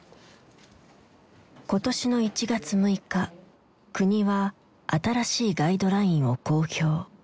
今年の１月６日国は新しいガイドラインを公表。